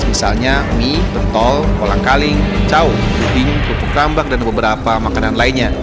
misalnya mie bentol kolang kaling caw buding pupuk rambak dan beberapa makanan lainnya